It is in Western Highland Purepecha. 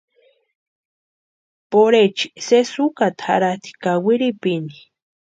Porhechi sési ukaata jarhatʼi ka wirhipini.